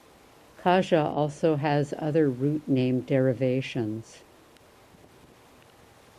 Kaja also has other root name derivations.